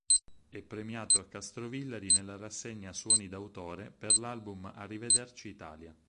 È premiato a Castrovillari nella rassegna "Suoni d'Autore" per l'album Arrivederci Italia.